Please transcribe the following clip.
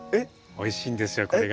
おいしいんですよこれが。